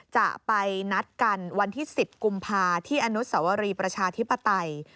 จะไปนัดกันวันที่๑๐กุมภาที่อนุสวรีประชาธิปไตย